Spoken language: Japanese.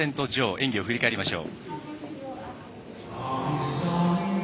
演技を振り返りましょう。